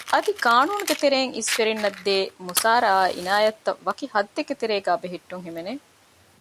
އަދި ޤާނޫނުގެ ތެރެއިން އިސްވެރިންނަށްދޭ މުސާރަ އާއި ޢިނާޔަތްތައް ވަކި ޙައްދެއްގެ ތެރޭގައި ބެހެއްޓުން ހިމެނެ